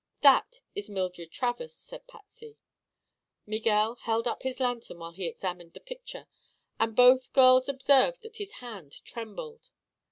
"That is Mildred Travers," said Patsy. Miguel held up his lantern while he examined the picture and both girls observed that his hand trembled.